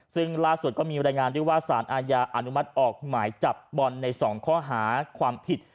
ซึ่งล่าสุดก็มีบรรยายงานด้วยว่าสารอาญาอนุมัติออกหมายจับบอลใน๒ข้อหาความผิด